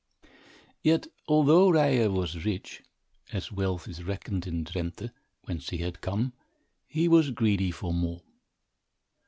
Yet although Ryer was rich, as wealth is reckoned in Drenthe, whence he had come, he was greedy for more.